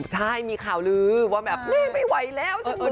ใช่มีข่าวลืมว่าแบบแม่ไม่ไหวแล้วฉันเหลือ